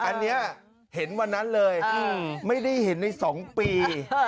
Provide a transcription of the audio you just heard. อันนี้เห็นวันนั้นเลยไม่ได้เห็นใน๒ปี